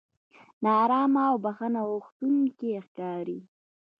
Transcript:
نا ارامه او بښنه غوښتونکي ښکاري.